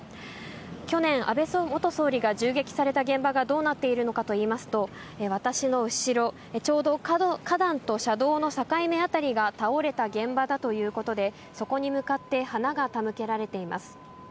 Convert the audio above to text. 去年、安倍元総理が銃撃された現場がどうなっているのかといいますと、私の後ろ、ちょうど花壇と車道の境目辺りが倒れた現場だということで、そこに向かって花が手向けられています。